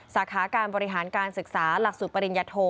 สาขาการบริหารการศึกษาหลักสูตรปริญญโท